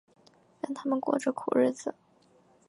让他们过着苦日子